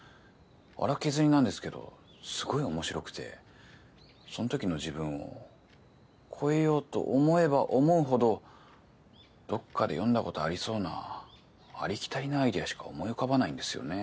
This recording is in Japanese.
粗削りなんですけどすごい面白くてそんときの自分を超えようと思えば思うほどどっかで読んだことありそうなありきたりなアイデアしか思い浮かばないんですよね。